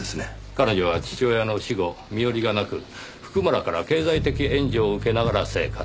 彼女は父親の死後身寄りがなく譜久村から経済的援助を受けながら生活。